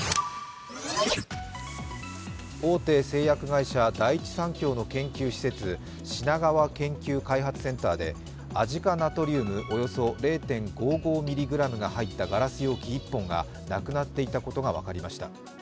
大手製薬会社、第一三共の研究施設品川研究開発センターでアジ化ナトリウムおよそ０．５５ｍｇが入ったガラス容器１本がなくなっていたことが分かりました。